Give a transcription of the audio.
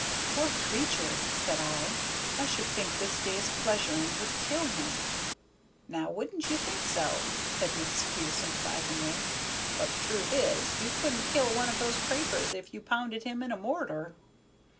"Poor creature!" said I, "I should think this day's pleasuring would kill him." "Now, wouldn't you think so?" said Mrs. Kew, sympathizingly; "but the truth is, you couldn't kill one of those Crapers if you pounded him in a mortar."